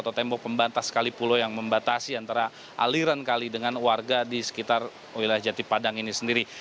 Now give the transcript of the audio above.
atau tembok pembatas kali pulau yang membatasi antara aliran kali dengan warga di sekitar wilayah jati padang ini sendiri